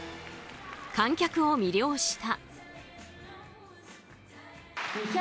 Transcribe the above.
観客を魅了した。